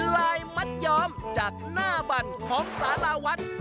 ลายมัดย้อมจากหน้าบั่นของสาราวัด